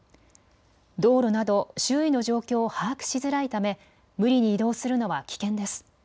道路など周囲の状況を把握しづらいため無理に移動するのは危険です。